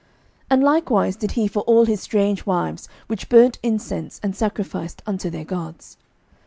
11:011:008 And likewise did he for all his strange wives, which burnt incense and sacrificed unto their gods.